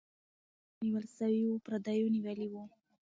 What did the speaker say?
مرچلونه چې نیول سوي وو، پردیو نیولي وو.